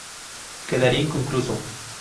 Quedaría inconcluso.